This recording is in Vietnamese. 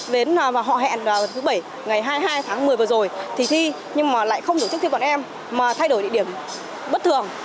đến họ hẹn thứ bảy ngày hai mươi hai tháng một mươi vừa rồi thì thi nhưng mà lại không tổ chức thi bọn em mà thay đổi địa điểm bất thường